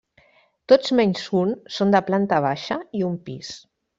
Tots menys un són de planta baixa i un pis.